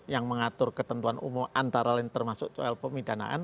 yang mengatur ketentuan umum antara lain termasuk soal pemidanaan